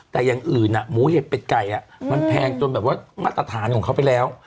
แต่อย่างอื่นหมูเห็ดเป็ดไก่มันแพงจนแบบว่ามาตรฐานของเขาไปแล้ว